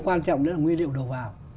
quan trọng đó là nguyên liệu đầu vào